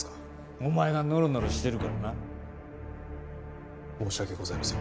お前がノロノロしてるからな申し訳ございません